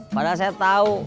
padahal saya tahu